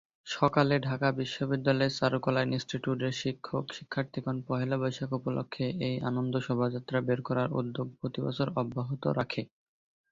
সকালে ঢাকা বিশ্ববিদ্যালয়ের চারুকলা ইন্সটিটিউটের শিক্ষক-শিক্ষার্থীগণ পহেলা বৈশাখ উপলক্ষে এই আনন্দ শোভাযাত্রা বের করার উদ্যোগ প্রতি বছর অব্যাহত রাখে।